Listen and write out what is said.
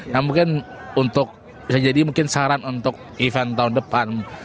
ya mungkin untuk bisa jadi mungkin saran untuk event tahun depan